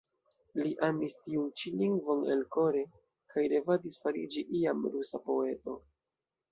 Li amis tiun ĉi lingvon elkore, kaj revadis fariĝi iam rusa poeto.